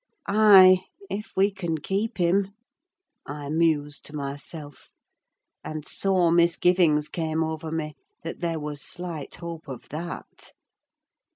"Ay, if we can keep him!" I mused to myself; and sore misgivings came over me that there was slight hope of that.